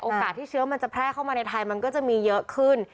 ที่เชื้อมันจะแพร่เข้ามาในไทยมันก็จะมีเยอะขึ้น